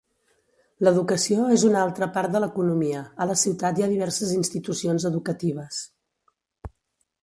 L'educació és una altra part de l'economia, a la ciutat hi ha diverses institucions educatives.